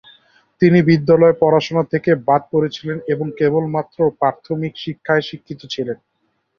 তিনি বিদ্যালয়ের পড়াশুনা থেকে বাদ পড়েছিলেন এবং কেবলমাত্র প্রাথমিক শিক্ষায় শিক্ষিত ছিলেন।